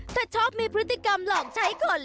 แต่ชอบมีพฤติกรรมหลอกใช้คน